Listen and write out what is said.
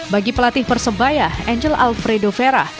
bagi pelatih persebaya angel alfredo vera